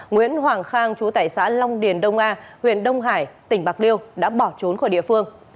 nguyễn hoàng khang chú tại xã long điền đông a huyện đông hải tỉnh bạc liêu đã bỏ trốn khỏi địa phương